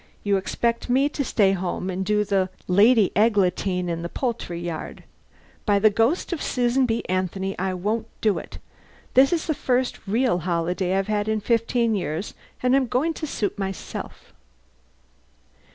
You expect me to stay home and do the Lady Eglantine in the poultry yard. By the ghost of Susan B. Anthony, I won't do it! This is the first real holiday I've had in fifteen years, and I'm going to suit myself."